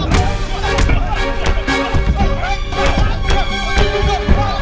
ini datuk tidak sudah tentu